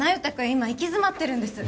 今行き詰まってるんです